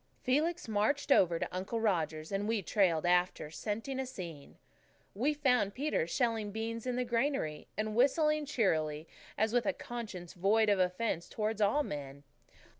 Felix marched over to Uncle Roger's, and we trailed after, scenting a scene. We found Peter shelling beans in the granary, and whistling cheerily, as with a conscience void of offence towards all men.